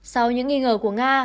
sau những nghi ngờ của nga